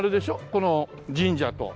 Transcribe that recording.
この神社と。